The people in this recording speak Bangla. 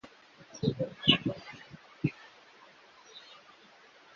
তিনি কিংস কলেজ লন্ডনে পড়াশোনা করেছেন, এবং ভূতত্ত্ব ও ভূগোল অধ্যয়নে দক্ষতা অর্জন করেছিলেন।